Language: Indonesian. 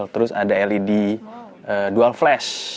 terus ada led dual flash